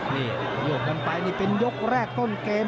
นี่โยกกันไปนี่เป็นยกแรกต้นเกม